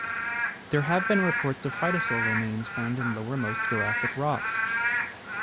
There have been reports of phytosaur remains found in lowermost Jurassic rocks.